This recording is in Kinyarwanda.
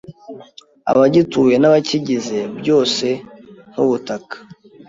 abagituye n’ibikigize byose nk’ubutaka,